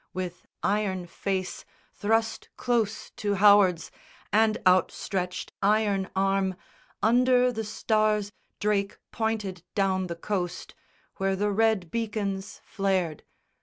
With iron face Thrust close to Howard's, and outstretched iron arm, Under the stars Drake pointed down the coast Where the red beacons flared.